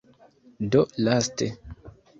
Do laste